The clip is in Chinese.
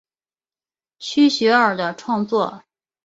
区雪儿的创作。